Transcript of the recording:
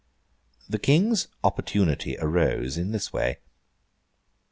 The King's opportunity arose in this way.